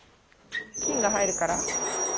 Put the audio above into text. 菌が入るから。